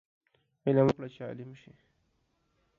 علم وکړه چې عالم شې